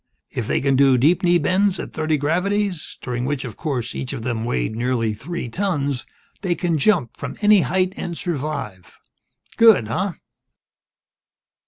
If they can do deep knee bends at thirty gravities during which, of course, each of them weighed nearly three tons they can jump from any height and survive. Good, huh?"